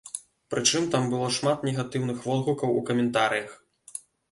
Прычым, там было шмат негатыўных водгукаў у каментарыях.